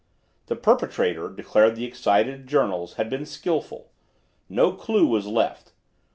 The perpetrator, declared the excited journals, had been skilful. No clue was left.